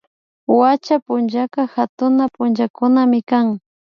Wacha punllaka hatuna punllakunamikan